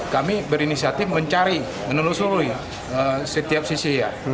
kami berinisiatif mencari menelusuri setiap sisi